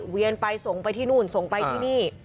เวียนไปส่งไปที่นู่นส่งไปที่นี่